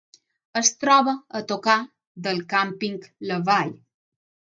Es troba a tocar del càmping La Vall.